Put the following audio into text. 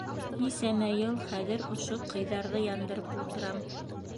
Нисәмә йыл хәҙер ошо ҡыйҙарҙы яндырып ултырам.